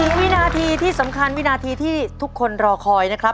วินาทีที่สำคัญวินาทีที่ทุกคนรอคอยนะครับ